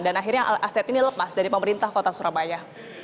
dan akhirnya aset ini lepas dari pemerintah kota surabaya